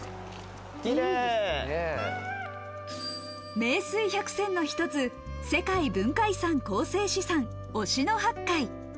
名水百選の一つ、世界文化遺産構成資産・忍野八海。